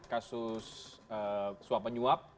kasus suap penyuap